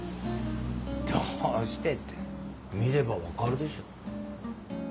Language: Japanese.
「どうして？」って見れば分かるでしょ。